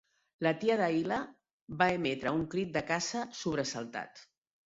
La tia Dahila va emetre un crit de caça sobresaltat.